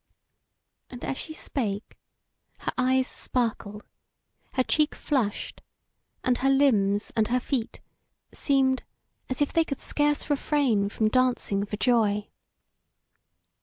And as she spake her eyes sparkled, her cheek flushed, and her limbs and her feet seemed as if they could scarce refrain from dancing for joy.